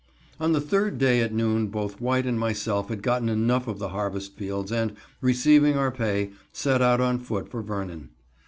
On the third day at noon both White and myself had gotten enough of the harvest fields and, receiving our pay, set out on foot for Vernon.